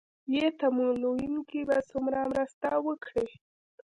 ې تمويلوونکي به څومره مرسته وکړي